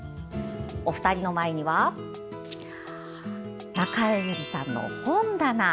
お二人の前には中江有里さんの本棚。